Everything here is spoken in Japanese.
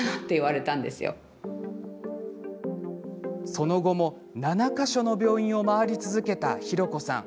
その後も７か所の病院を回り続けたひろこさん。